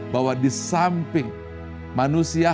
bahwa di samping manusia